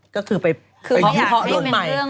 ก็คือไปพอรุ่นใหม่